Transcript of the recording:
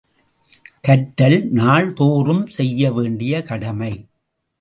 கற்றல் நாள்தோறும் செய்ய வேண்டிய கடமை.